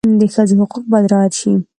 د ښځو حقوق باید رعایت شي.